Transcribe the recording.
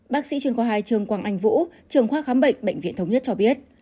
bác sĩ truyền khoa hai trường quang anh vũ trường khoa khám bệnh bệnh viện thống nhất cho biết